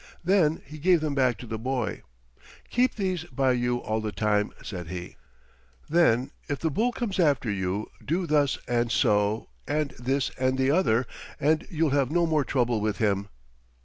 Then he gave them back to the boy. "Keep these by you all the time," said he. "Then if the bull comes after you do thus and so, and this and the other, and you will have no more trouble with him."